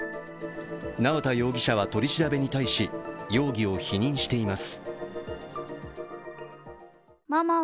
縄田容疑者は取り調べに対し、容疑を否認しています。